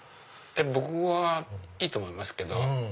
僕はいいと思いますけど。